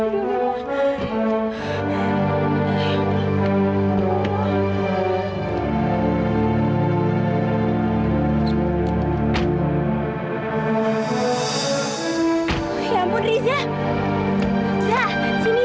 puan gasar habi